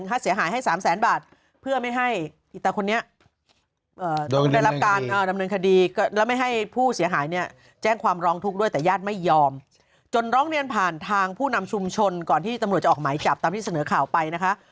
ก่อนที่ตำรวจจะออกหมายจับตามที่เสนอข่าวไปนะคะ